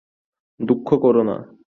দুঃখ করো না।